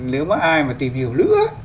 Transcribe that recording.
nếu mà ai mà tìm hiểu nữa